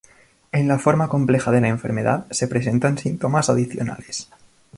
En la forma compleja de la enfermedad, se presentan síntomas adicionales.